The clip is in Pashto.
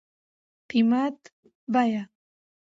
قيمت √ بيه